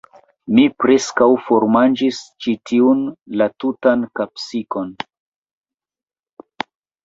Mi preskaŭ formanĝis ĉi tiun, la tutan kapsikon.